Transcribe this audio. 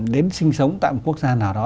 đến sinh sống tại một quốc gia nào đó